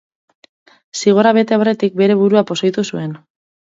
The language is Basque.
Zigorra bete aurretik bere burua pozoitu zuen.